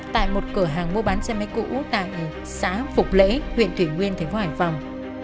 tại một cửa hàng mua bán xe máy cũ tại xã phục lễ huyện thủy nguyên tp hải phòng